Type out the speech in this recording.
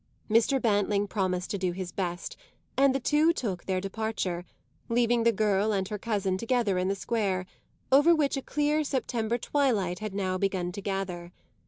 Mr. Bantling promised to do his best, and the two took their departure, leaving the girl and her cousin together in the square, over which a clear September twilight had now begun to gather.